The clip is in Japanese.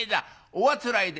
「おあつらえで？